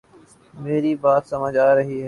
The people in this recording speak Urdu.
میری بات سمجھ آ رہی ہے